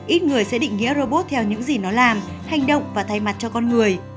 ít người sẽ định nghĩa robot theo những gì nó làm hành động và thay mặt cho con người